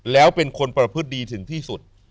แล้วเป็นคนประพฤติดีถึงที่สุด